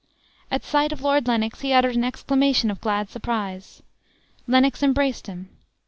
At sight of Lord Lennox, he uttered an exclamation of glad surprise. Lennox embraced him.